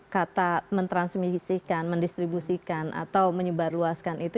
kata mentransmisikan mendistribusikan atau menyebarluaskan itu